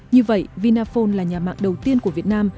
như vậy vinaphone là nhà mạng đầu tiên của việt nam